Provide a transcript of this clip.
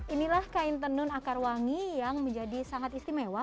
inilah kain tenun akar wangi yang menjadi sangat istimewa